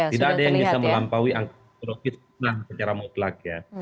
tidak ada yang bisa melampaui angka psikologis secara mutlak ya